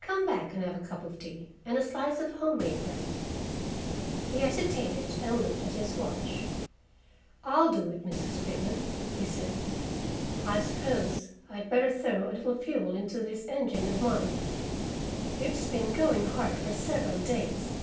"Come back and have a cup of tea, and a slice of home made bread." He hesitated and looked at his watch. "I'll do it, Mrs. Pitman," he said. "I suppose I'd better throw a little fuel into this engine of mine. It's been going hard for several days."